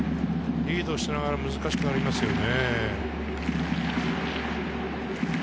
リードしながら難しくなりますね。